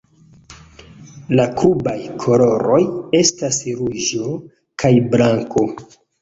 La klubaj koloroj estas ruĝo kaj blanko.